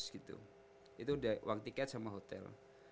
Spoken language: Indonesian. seribu seratus gitu itu udah uang tiket sama hotel